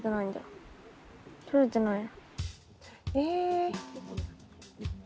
撮れてない。